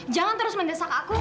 jangan terus mendesak aku